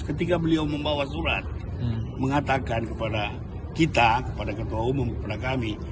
ketika beliau membawa surat mengatakan kepada kita kepada ketua umum kepada kami